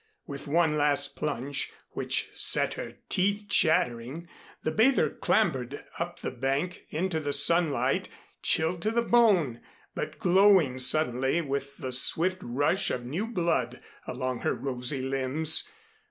With one last plunge which set her teeth chattering, the bather clambered up the bank into the sunlight chilled to the bone, but glowing suddenly with the swift rush of new blood along her rosy limbs.